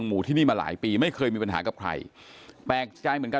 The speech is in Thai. หมูที่ในบิ๊กทำงานอยู่